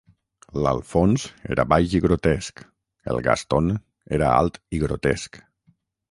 L'Alphonse era baix i grotesc; el Gaston era alt i grotesc.